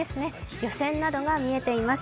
漁船などが見えています。